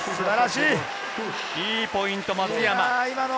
いいポイント、松山！